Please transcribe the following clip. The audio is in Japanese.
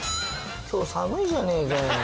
今日寒いじゃねえかよ。